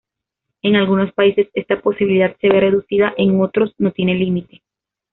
En algunos países esta posibilidad se ve reducida, en otros no tienen límite.